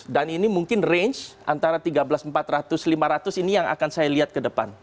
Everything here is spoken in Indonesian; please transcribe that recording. dan ini mungkin range antara tiga belas empat ratus tiga belas lima ratus ini yang akan saya lihat ke depan